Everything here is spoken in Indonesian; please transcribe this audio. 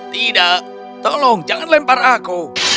tidak tolong jangan lempar aku